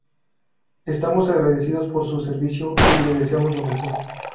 Estamos agradecidos por su servicio y le deseamos lo mejor".